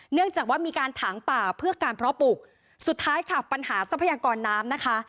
เนื่องจากว่ามีการถางป่าเพื่อการเพาะปลูกสุดท้ายค่ะปัญหาทรัพยากรน้ำนะคะ